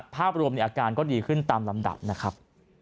ภาพรวมในอาการก็ดีขึ้นตามลำดับนะครับ